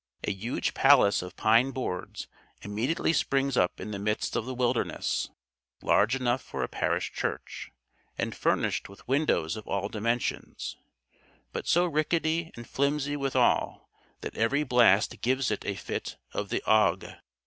A huge palace of pine boards immediately springs up in the midst of the wilderness, large enough for a parish church, and furnished with windows of all dimensions, but so rickety and flimsy withal, that every blast gives it a fit of the ague.